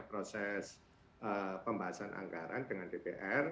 proses pembahasan anggaran dengan dpr